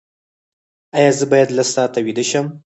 ایا زه باید لس ساعته ویده شم؟